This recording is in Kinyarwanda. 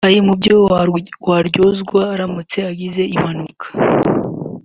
ari mu byo waryozwa uramutse ugize impanuka